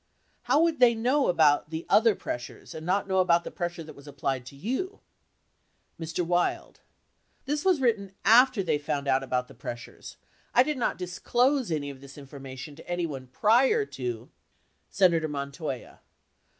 How would they know about the other pressures and not know about, the pressure that was applied to you ? Mr. Wild. This was written after they found out about the pressures. I did not disclose any of this information to anyone prior to Senator Montoya.